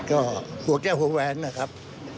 ก็หัวแก้วหัวแหวนนะครับ